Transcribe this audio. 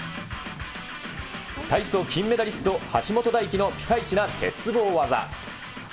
体操金メダリスト、橋本大輝のピカイチな鉄棒技。